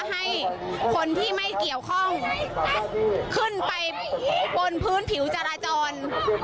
ให้คนที่ไม่เกี่ยวข้องขึ้นไปบนพื้นผิวจราจร